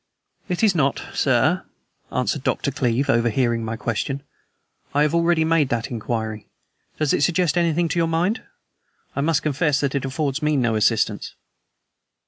"It is not, sir," answered Dr. Cleeve, overhearing my question. "I have already made that inquiry. Does it suggest anything to your mind? I must confess that it affords me no assistance."